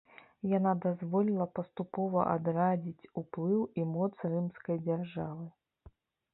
Яна дазволіла паступова адрадзіць уплыў і моц рымскай дзяржавы.